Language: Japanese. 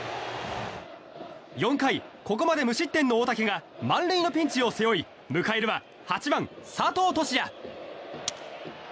４回、ここまで無失点の大竹が満塁のピンチを背負い迎えるは８番、佐藤都志也。